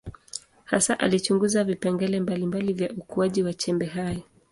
Hasa alichunguza vipengele mbalimbali vya ukuaji wa chembe hai.